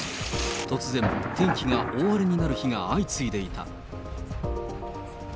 突然、天気が大荒れになる日が相次いでいた。